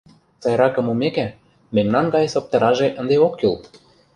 Сайракым мумеке, мемнан гай соптыраже ынде ок кӱл...